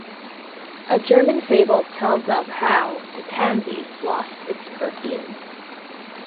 A German fable tells of how the pansy lost its perfume.